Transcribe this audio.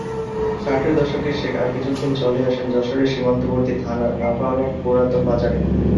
ষাটের দশকে শেখ আকিজউদ্দীন চলে আসেন যশোরের সীমান্তবর্তী থানার নাভারন পুরাতন বাজারে।